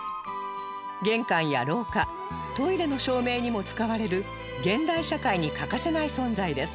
玄関や廊下トイレの照明にも使われる現代社会に欠かせない存在です